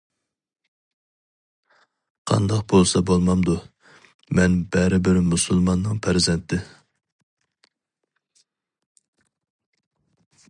قانداق بولسا بولمامدۇ؟ مەن بەرىبىر مۇسۇلماننىڭ پەرزەنتى.